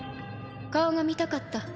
顔が見たかった。